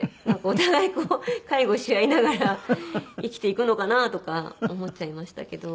お互い介護し合いながら生きていくのかなとか思っちゃいましたけど。